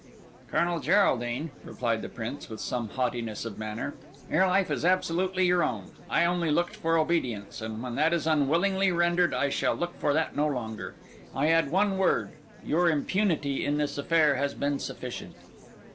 "Colonel Geraldine," replied the Prince, with some haughtiness of manner, "your life is absolutely your own. I only looked for obedience; and when that is unwillingly rendered, I shall look for that no longer. I add one word: your importunity in this affair has been sufficient."